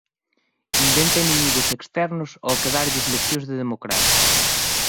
Inventa inimigos externos ao que darlles leccións de democracia.